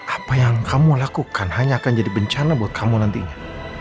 apa yang kamu lakukan hanya akan jadi bencana buat kamu nantinya